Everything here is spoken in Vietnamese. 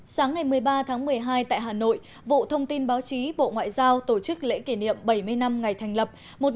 sáng ngày một mươi ba tháng một mươi hai tại hà nội vụ thông tin báo chí bộ ngoại giao tổ chức lễ kỷ niệm bảy mươi năm ngày thành lập một nghìn chín trăm bốn mươi sáu hai nghìn một mươi sáu